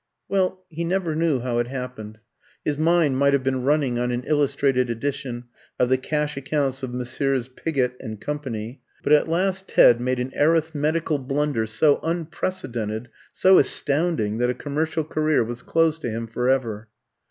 Well, he never knew how it happened his mind might have been running on an illustrated edition of the cash accounts of Messrs. Pigott & Co. but at last Ted made an arithmetical blunder so unprecedented, so astounding, that a commercial career was closed to him for ever.